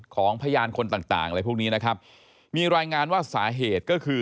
พยานคนต่างต่างอะไรพวกนี้นะครับมีรายงานว่าสาเหตุก็คือ